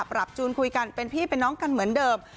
จูนคุยกันเป็นพี่เป็นน้องกันเหมือนเดิม